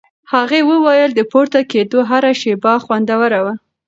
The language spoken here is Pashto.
هغې وویل د پورته کېدو هره شېبه خوندوره وه.